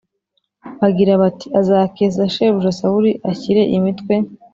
bagira bati Azakeza shebuja Sawuli ashyire imitwe